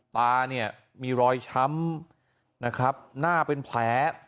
ตาเนี่ยมีรอยช้ำนะครับหน้าเป็นแผล